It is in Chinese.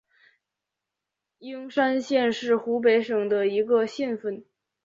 应山县是湖北省的一个县份。